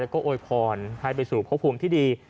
แล้วก็โอยพรให้ไปสู่พบภูมิที่ดี